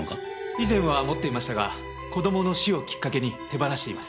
以前は持っていましたが子供の死をきっかけに手放しています。